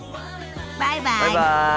バイバイ。